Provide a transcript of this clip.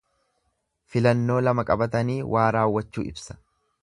Filannoo lama qabatanii waa raawwachuu ibsa.